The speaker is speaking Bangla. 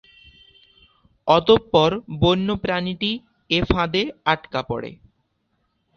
অতঃপর বন্য প্রাণীটি এ ফাঁদে আটকা পড়ে।